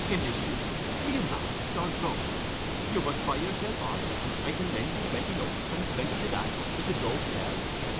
"Enlisted! Were you mad or drunk? You must buy yourself off. I can lend you twenty notes, and twenty to that, if the drove sell."